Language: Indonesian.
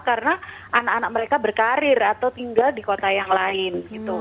karena anak anak mereka berkarir atau tinggal di kota yang lain